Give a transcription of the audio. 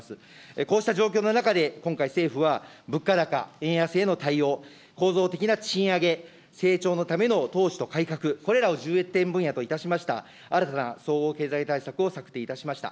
こうした状況の中で、今回、政府は物価高、円安への対応、構造的な賃上げ、成長のための投資と改革、これらを重点分野といたしました新たな総合経済対策を策定いたしました。